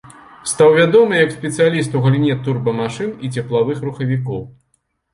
Стаў вядомы як спецыяліст у галіне турбамашын і цеплавых рухавікоў.